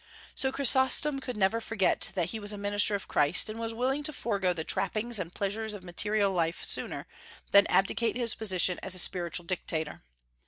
So Chrysostom could never forget that he was a minister of Christ, and was willing to forego the trappings and pleasures of material life sooner than abdicate his position as a spiritual dictator.